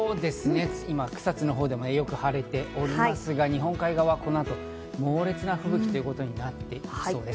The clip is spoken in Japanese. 今、草津のほうでもよく晴れていますが、日本海側、この後は猛烈な吹雪ということになっていきそうです。